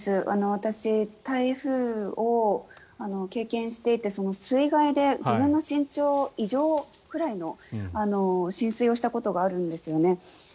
私、台風を経験していて水害で自分の身長以上くらいの浸水をしたことがあるんですよね。